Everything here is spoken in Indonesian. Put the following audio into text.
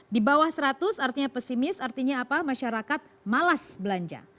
di bawah seratus artinya pesimis artinya apa masyarakat malas belanja